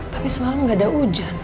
tapi semalam gak ada hujan